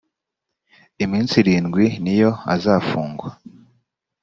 iminsi irindwi niyo azafungwa